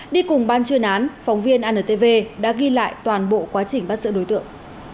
đi cùng ban chuyên án phóng viên antv đã ghi lại toàn bộ quá trình bắt giữ đối tượng